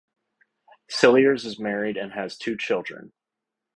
Cilliers is married and has two children.